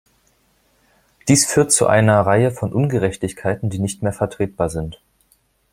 Dies führt zu einer Reihe von Ungerechtigkeiten, die nicht mehr vertretbar sind.